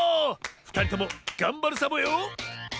ふたりともがんばるサボよ。